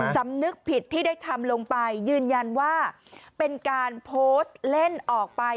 สำนึกผิดที่ได้ทำลงไปยืนยันว่าเป็นการโพสต์เล่นออกไป